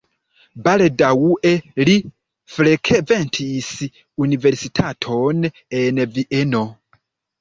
Baldaŭe li frekventis universitaton en Vieno.